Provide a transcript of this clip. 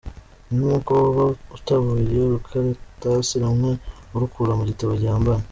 "Ni nkuko woba utabuye urukaratasi rumwe urukura mu gitabo gihambaye.